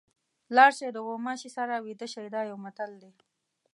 لاړ شئ د غوماشي سره ویده شئ دا یو متل دی.